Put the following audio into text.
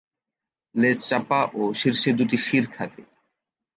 লেজ চাপা ও শীর্ষে দু'টি শির থাকে।